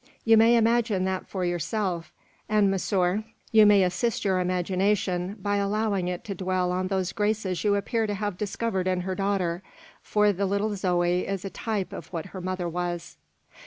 You may imagine that for yourself; and, monsieur, you may assist your imagination by allowing it to dwell on those graces you appear to have discovered in her daughter, for the little Zoe is a type of what her mother was.